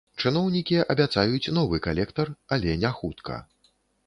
Чыноўнікі абяцаюць новы калектар, але няхутка.